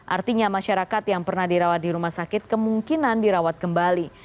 artinya masyarakat yang pernah dirawat di rumah sakit kemungkinan dirawat kembali